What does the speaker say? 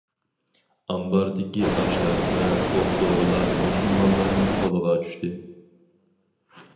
ئامباردىكى ئاشلىق ۋە ئوق-دورىلار مۇسۇلمانلارنىڭ قولىغا چۈشتى.